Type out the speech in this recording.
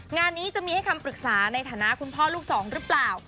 งานนี้จะมีให้คำปรึกษาในฐานะคุณพ่อลูกสองหรือเปล่า